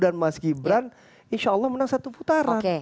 dan mas gibran insyaallah menang satu putaran